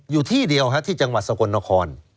อยู่ที่เดียวที่จังหวัดสกลนคร